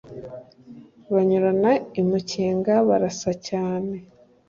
banyurana i mukenga barasa cyane